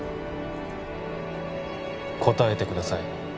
答えてください